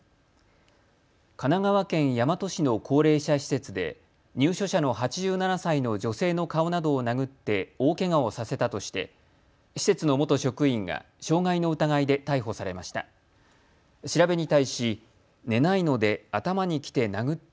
神奈川県大和市の高齢者施設で入所者の８７歳の女性の顔などを殴って大けがをさせたとして施設の元職員が傷害の疑いで逮捕されました。